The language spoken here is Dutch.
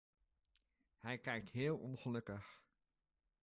Hij kijkt heel ongelukkig.